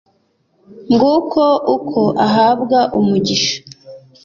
Nguko uko ahabwa umugisha